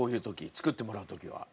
作ってもらう時は。